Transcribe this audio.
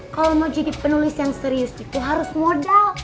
kalau mau jadi penulis yang serius itu harus modal